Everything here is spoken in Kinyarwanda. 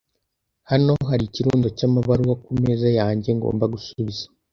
Hano hari ikirundo cyamabaruwa kumeza yanjye ngomba gusubiza.